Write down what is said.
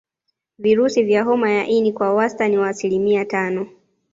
Virusi vya homa ya ini kwa wastani wa asilimia tano